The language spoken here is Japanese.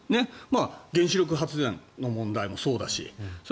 原子力発電の問題もそうだし